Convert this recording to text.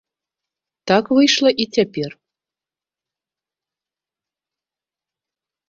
Так выйшла і цяпер.